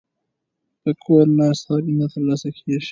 په کور ناست حق نه ترلاسه کیږي.